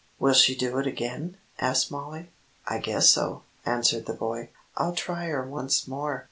"Will she do it again?" asked Mollie. "I guess so," answered the boy. "I'll try her once more.